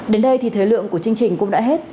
đến đây thì thời lượng của chương trình cũng đã hết